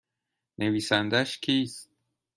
نویسندهاش کیست؟